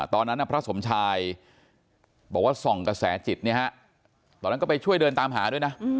ตอนนั้นพระสมชายบอกว่าส่องกระแสจิตเนี่ยฮะตอนนั้นก็ไปช่วยเดินตามหาด้วยนะ